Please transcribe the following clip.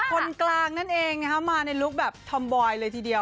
คนกลางนั่นเองมาในลุคแบบทอมบอยเลยทีเดียว